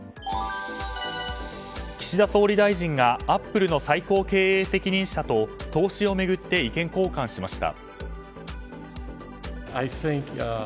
岸田総理大臣がアップルの最高経営責任者と投資を巡って意見交換しました。